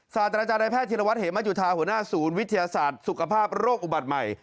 ศาสตราจารย์แพทย์ธิรวัตเหมจุธาหัวหน้าศูนย์วิทยาศาสตร์สุขภาพโรคอุบัติใหม่